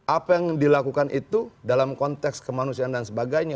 apa yang dilakukan itu dalam konteks kemanusiaan dan sebagainya